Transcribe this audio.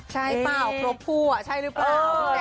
ใช่เปล่าครบคู่อ่ะใช่หรือเปล่า